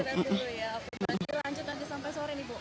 lanjut nanti sampai sore ibu